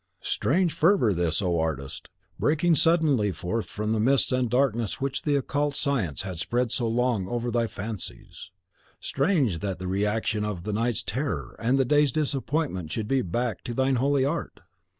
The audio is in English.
Strange fervour this, O artist! breaking suddenly forth from the mists and darkness which the occult science had spread so long over thy fancies, strange that the reaction of the night's terror and the day's disappointment should be back to thine holy art!